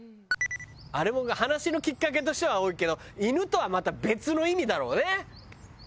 あれも話のきっかけとしては多いけど犬とはまた別の意味だろうね。